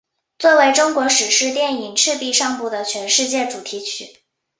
作为中国史诗电影赤壁上部的全世界主题曲。